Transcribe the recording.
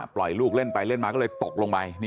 ลูกเล่นไปเล่นมาก็เลยตกลงไป